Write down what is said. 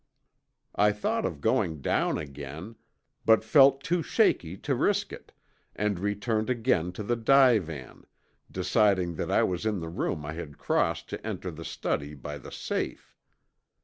"I thought of going down again, but felt too shaky to risk it, and returned again to the divan, deciding that I was in the room I had crossed to enter the study by the safe.